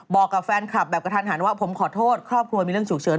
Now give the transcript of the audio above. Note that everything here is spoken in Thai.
บอกกับแฟนคลับแบบกระทันหันว่าผมขอโทษครอบครัวมีเรื่องฉุกเฉิน